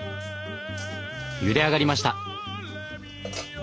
ゆで上がりました。